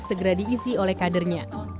segera diisi oleh kadernya